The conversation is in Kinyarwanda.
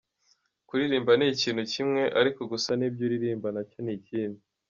Kuririmba ni ikintu kimwe ariko gusa ni ibyo uririmba nacyo ni ikindi.